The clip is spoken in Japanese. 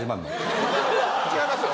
違いますよ。